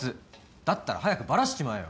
だったら早くバラしちまえよ。